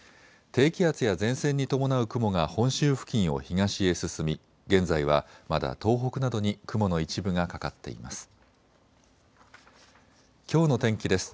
低気圧や前線に伴う雲が本州付近を東へ進み現在はまだ東北などに雲の一部がかかっています。